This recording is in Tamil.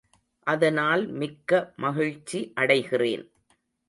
அதனால் மிக்க மகிழ்ச்சி அடைகிறேன்.